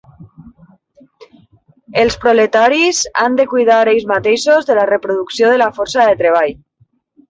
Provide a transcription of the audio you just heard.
Els proletaris han de cuidar ells mateixos de la reproducció de la força de treball.